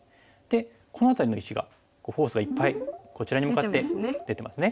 この辺りの石がフォースがいっぱいこちらに向かって出てますね。